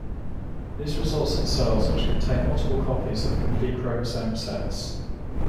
This results in cells which contain multiple copies of complete chromosome sets.